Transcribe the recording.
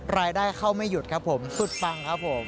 รายได้เข้าไม่หยุดครับผมสุดปังครับผม